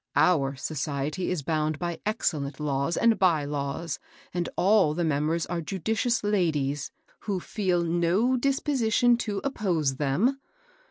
Our society is bound by excellent laws and by laws, and all the members are judicious ladies, who feel no disposi tion to oppose them.